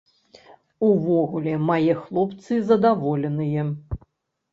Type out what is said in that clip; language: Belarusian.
Увогуле, мае хлопцы задаволеныя.